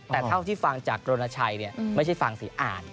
แต่เท่าที่ฟังจากรณชัยไม่ใช่ฟังสิอ่าน